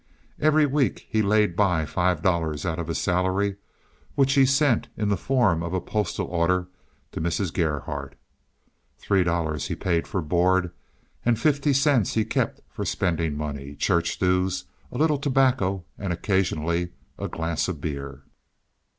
Every week he laid by five dollars out of his salary, which he sent in the form of a postal order to Mrs. Gerhardt. Three dollars he paid for board, and fifty cents he kept for spending money, church dues, a little tobacco and occasionally a glass of beer.